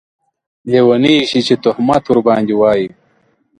لیونۍ شې چې تهمت ورباندې واېې